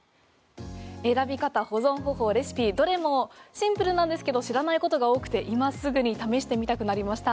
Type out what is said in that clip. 選び方、保存方法、レシピどれもシンプルなんですけど知らないことが多くて今すぐに試してみたくなりました。